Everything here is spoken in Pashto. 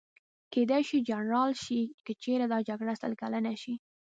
کېدای شي جنرال شي، که چېرې دا جګړه سل کلنه شي.